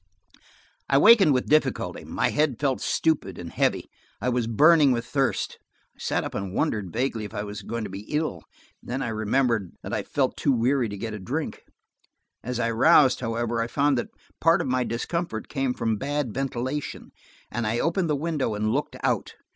I wakened with difficulty. My head felt stupid and heavy, and I was burning with thirst. I sat up and wondered vaguely if I were going to be ill, and I remember that I felt too weary to get a drink. As I roused, however, I found that part of my discomfort came from bad ventilation, and I opened a window and looked out.